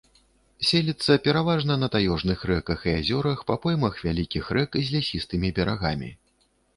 Селіцца пераважна на таежных рэках і азёрах па поймах вялікіх рэк з лясістымі берагамі.